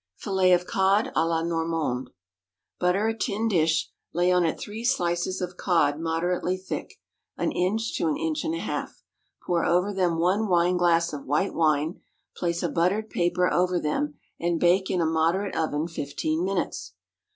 Fillets of Cod à la Normande. Butter a tin dish, lay on it three slices of cod moderately thick (an inch to an inch and a half), pour over them one wineglass of white wine, place a buttered paper over them, and bake in a moderate oven fifteen minutes.